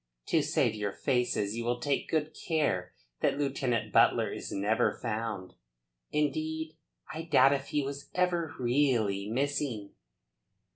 To save your faces you will take good care that Lieutenant Butler is never found. Indeed I doubt if he was ever really missing."